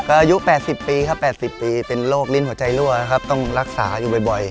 อายุ๘๐ปีเป็นโรคลิ้นหัวใจรั่วต้องรักษาอยู่บ่อย